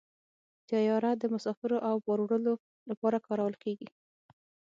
طیاره د مسافرو او بار وړلو لپاره کارول کېږي.